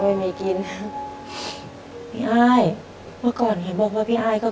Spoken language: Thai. ไม่มีกินพี่อ้ายเมื่อก่อนเห็นบอกว่าพี่อ้ายก็